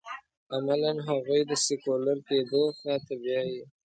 عملاً هغوی د سیکولر کېدو خوا ته بیايي.